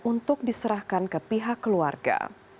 untuk diserahkan ke pihak keluarga